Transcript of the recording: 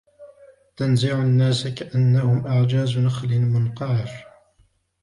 تَنزِعُ النَّاسَ كَأَنَّهُمْ أَعْجَازُ نَخْلٍ مُّنقَعِرٍ